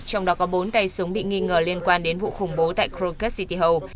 trong đó có bốn tay súng bị nghi ngờ liên quan đến vụ khủng bố tại groupes city hall